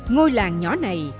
ngôi làng nhỏ này